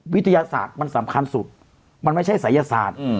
วิทยาศาสตร์มันสำคัญสุดมันไม่ใช่ศัยศาสตร์